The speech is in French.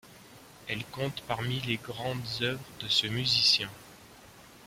Elle compte parmi les grandes œuvres de ce musicien.